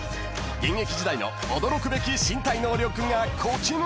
［現役時代の驚くべき身体能力がこちら］